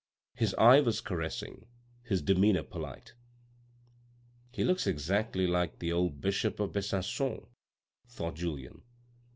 His eye was caressing, his demeanour polite. " He looks exactly like the old bishop of Besancon," thought Julien.